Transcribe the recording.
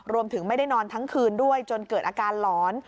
ไม่ได้นอนทั้งคืนด้วยจนเกิดอาการหลอน